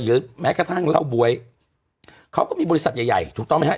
แม้กระทั่งเหล้าบ๊วยเขาก็มีบริษัทใหญ่ใหญ่ถูกต้องไหมฮะ